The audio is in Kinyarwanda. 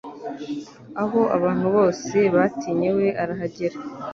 aho abantu bose batinye we arahagera